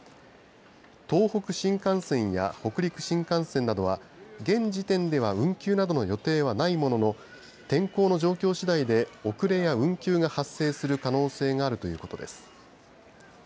東北新幹線や北陸新幹線などは現時点では運休などの予定はないものの天候の状況次第で遅れや運休が発生する可能性があるということです。